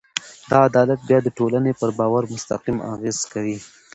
دا عدالت بیا د ټولنې پر باور مستقیم اغېز کوي.